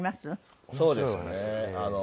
そうですね。